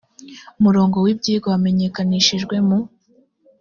murongo w ibyigwa zamenyekanishijwe mu